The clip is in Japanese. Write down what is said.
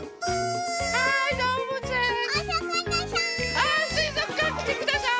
あすいぞくかんきてください。